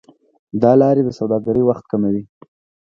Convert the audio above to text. دا لارې د سوداګرۍ وخت کموي.